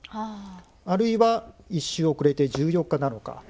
あるいは１週遅れて１４日なのか。